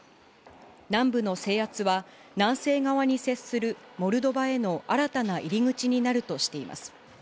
南部の制圧は、南西側に接するモルドバへの新たな入り口になるとしています。